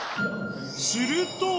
すると。